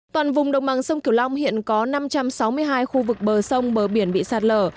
toàn vùng đồng bằng sông kiều long hiện có năm trăm sáu mươi hai khu vực bờ sông bờ biển bị sạt lở